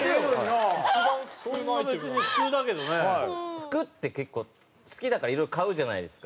服って結構好きだからいろいろ買うじゃないですか。